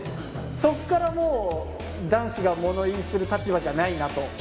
そっからもう男子が物言いする立場じゃないなと。